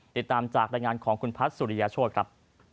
ติดตามจากรายงานของคุณพัฒน์สุริยาโชธครับ